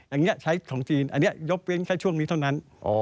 อันนี้ใช้ของจีนอันนี้ยกเว้นแค่ช่วงนี้เท่านั้น